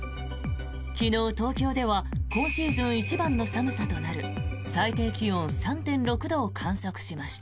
昨日、東京では今シーズン一番の寒さとなる最低気温３．６度を観測しました。